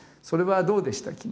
それはどうでした？